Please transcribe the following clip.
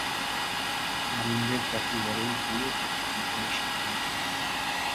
আর ইংরেজ জাতি বড়ই দৃঢ়প্রকৃতি ও নিষ্ঠাবান্।